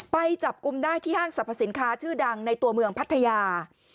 ไปจับกลุ่มได้ที่ห้างสรรพสินค้าชื่อดังในตัวเมืองพัทยา